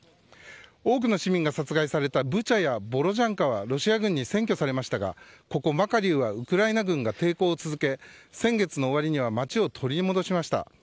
多くの市民が殺害されたブチャやボロジャンカはロシア軍に占拠されましたがここ、マカリウはウクライナ軍が抵抗を続け先月の終わりには街を取り戻しました。